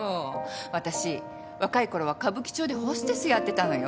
私若い頃は歌舞伎町でホステスやってたのよ。